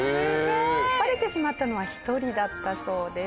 バレてしまったのは１人だったそうです。